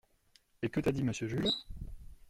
Et que t’a dit Monsieur Jules ?